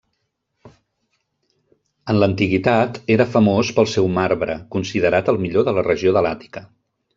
En l'antiguitat, era famós pel seu marbre, considerat el millor de la regió de l'Àtica.